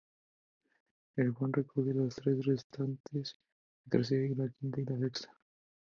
El de Juan recoge las tres restantes, la tercera, quinta y sexta.